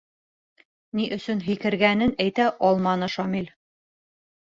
Ни өсөн һикергәнен әйтә алманы Шамил.